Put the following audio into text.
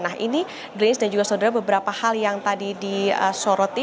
nah ini grace dan juga saudara beberapa hal yang tadi disoroti